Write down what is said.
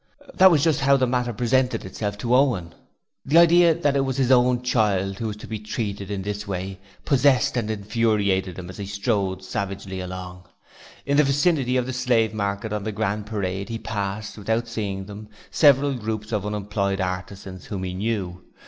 That was just how the matter presented itself to Owen. The idea that it was his own child who was to be treated in this way possessed and infuriated him as he strode savagely along. In the vicinity of the Slave Market on the Grand Parade he passed without seeing them several groups of unemployed artisans whom he knew.